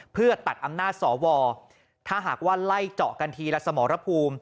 เพื่อตัดอำนาจสวถ้าหากว่าไล่เจาะกันทีละสมรภูมิ